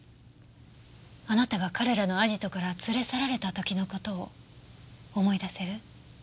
あなたが彼らのアジトから連れ去られた時の事を思い出せる？